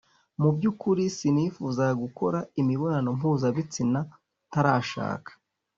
Mu by’ukuri sinifuzaga gukora imibonano mpuzabitsina ntarashaka